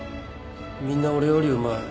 みんな俺よりうまい。